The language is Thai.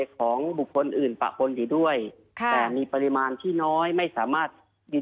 ของบุคคลอื่นปากบนได้ด้วยแค่มีปริมาณที่น้อยไม่สามารถยืน